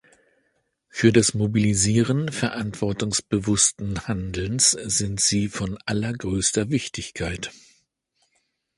Für das Mobilisieren verantwortungsbewussten Handelns sind sie von allergrößter Wichtigkeit.